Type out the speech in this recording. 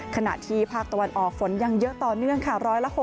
ขณะที่ภาคตะวันออกฝนยังเยอะต่อเนื่องค่ะ